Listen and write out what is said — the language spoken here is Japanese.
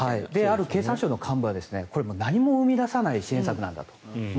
ある経産省の幹部は何も生み出さない支援策なんだと。